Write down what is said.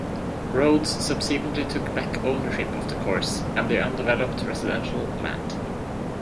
Rhodes subsequently took back ownership of the course and the undeveloped residential land.